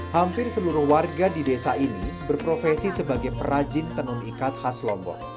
hampir seluruh warga di desa ini berprofesi sebagai perajin tenun ikat khas lombok